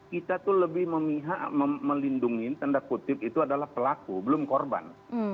kita tuh lebih memihak melindungi tanda kutip itu adalah pelaku belum korban